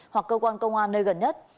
hoặc cơ quan công an nơi gần nhất